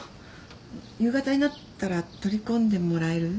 夕方になったら取り込んでもらえる？